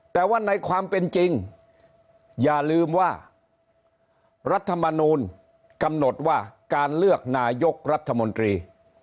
แต่ว่าในความเป็นจริงอย่าลืมว่ารัฐมนูลกำหนดว่าการเลือกนายกรัฐมนตรี